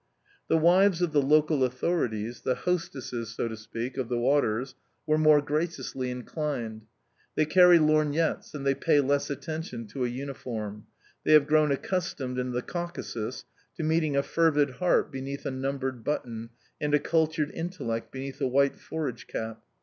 The wives of the local authorities the hostesses, so to speak, of the waters were more graciously inclined. They carry lorgnettes, and they pay less attention to a uniform they have grown accustomed in the Caucasus to meeting a fervid heart beneath a numbered button and a cultured intellect beneath a white forage cap.